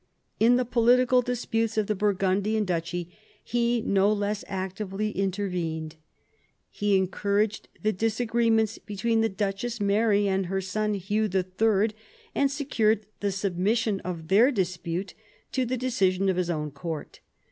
In the political disputes of the Burgundian duchy he no less actively intervened. He encouraged the disagreements between the Duchess Mary and her son, Hugh III., and secured the submission of their dispute to the decision of his own court.